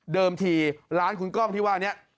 ทีร้านคุณกล้องที่ว่านี้